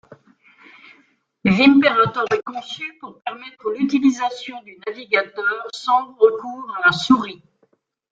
Vimperator est conçu pour permettre l'utilisation du navigateur sans recours à la souris.